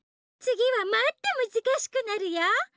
つぎはもっとむずかしくなるよ。